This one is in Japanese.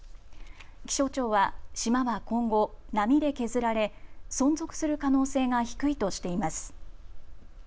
気象庁は島は今後、波で削られ存続する可能性が低いとしています。